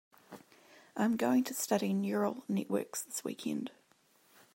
I'm going to study Neural Networks this weekend.